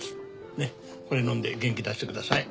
ねこれ飲んで元気出してください。